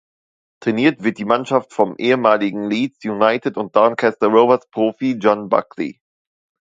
Trainiert wird die Mannschaft vom ehemaligen Leeds United- und Doncaster Rovers-Profi John Buckley.